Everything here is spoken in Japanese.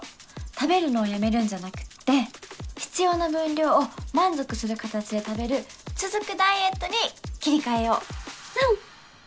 食べるのをやめるんじゃなくて必要な分量を満足する形で食べる続くダイエットに切り替えよううん！